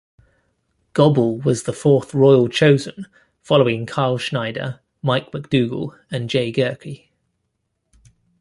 Gobble was the fourth Royal chosen, following Kyle Snyder, Mike MacDougal, and Jay Gehrke.